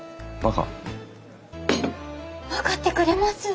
分かってくれます？